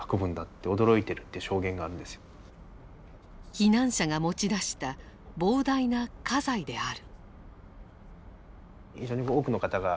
避難者が持ち出した膨大な家財である。